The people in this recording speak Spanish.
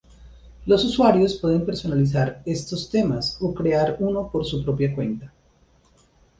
Los usuarios pueden personalizar estos temas o crear uno por su propia cuenta.